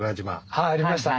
はいありましたね。